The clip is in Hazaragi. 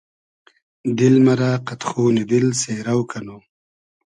دیل مئرۂ قئد خونی دیل سېرۆ کئنو